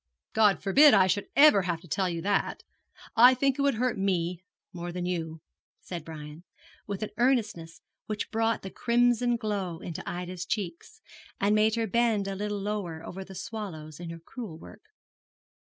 'God forbid I should ever have to tell you that. I think it would hurt me more than you,' said Brian, with an earnestness which brought the crimson glow into Ida's cheeks, and made her bend a little lower over the swallows in her crewel work.